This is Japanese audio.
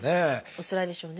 おつらいでしょうね。